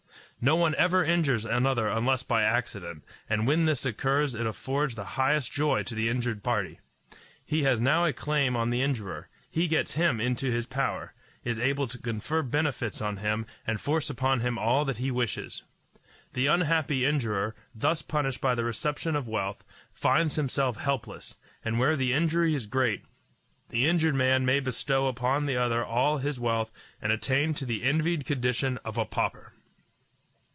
No one ever injures another unless by accident, and when this occurs it affords the highest joy to the injured party. He has now a claim on the injurer; he gets him into his power, is able to confer benefits on him and force upon him all that he wishes. The unhappy injurer, thus punished by the reception of wealth, finds himself helpless; and where the injury is great, the injured man may bestow upon the other all his wealth and attain to the envied condition of a pauper.